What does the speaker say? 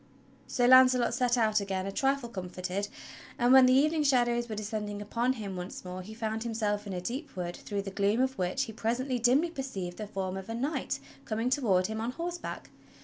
So Launcelot set out again a trifle comforted, and when the eve ning shadows were descending upon him once more he found him self in a deep wood through the gloom of which he presently dimly perceived the form of a knight coming toward him on horseback.